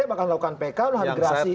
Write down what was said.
bakal melakukan pk lalu haligrasi